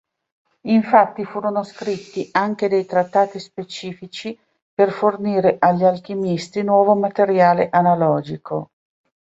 Infatti, furono scritti anche dei trattati specifici per fornire agli alchimisti nuovo materiale analogico.